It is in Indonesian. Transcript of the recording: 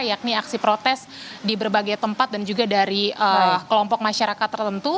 yakni aksi protes di berbagai tempat dan juga dari kelompok masyarakat tertentu